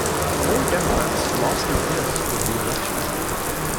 Four Democrats lost their bids for reelection.